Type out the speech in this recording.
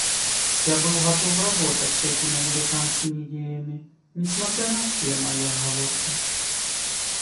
Я был готов работать с этими американскими идеями, несмотря на все мои оговорки.